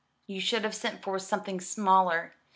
You should have sent forth something smaller.